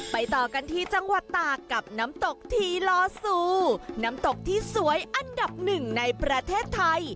ต่อกันที่จังหวัดตากกับน้ำตกทีลอซูน้ำตกที่สวยอันดับหนึ่งในประเทศไทย